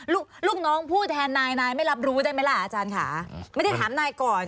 ลูกลูกน้องผู้แทนนายนายไม่รับรู้ได้ไหมล่ะอาจารย์ค่ะไม่ได้ถามนายก่อน